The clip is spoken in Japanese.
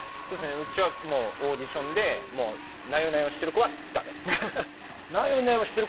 うちはオーディションでなよなよしてる子はダメ。